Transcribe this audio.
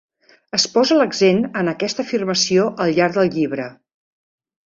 Es posa l'accent en aquesta afirmació al llarg del llibre.